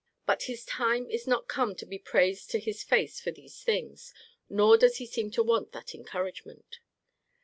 But his time is not come to be praised to his face for these things; nor does he seem to want that encouragement.